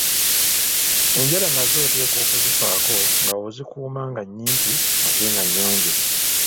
Enjala nazo oteekwa okuzifaako nga ozikuuma nga nnyimpi ate nga nnyonjo.